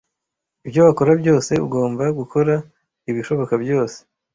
Ibyo wakora byose, ugomba gukora ibishoboka byose.